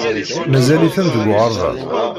Mazal-iten deg uɣerbaz.